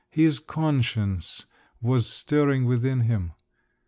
His conscience was stirring within him.